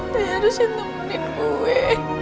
dia harusnya temenin gue